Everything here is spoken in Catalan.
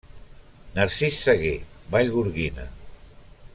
Narcís Saguer, Vallgorguina.